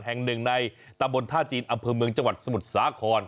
แห่งหนึ่งในตะบนท่าจีนอำเภอเมืองจังหวัดสมุทรสาคร